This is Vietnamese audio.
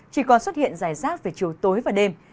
chỉ còn xuất hiện dài rác về chiều tối và đêm